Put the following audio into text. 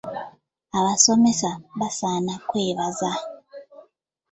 Abasomesa basaana kwebaza.